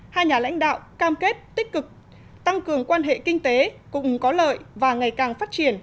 hai nhà lãnh đạo cam kết tích cực tăng cường quan hệ kinh tế cùng có lợi và ngày càng phát triển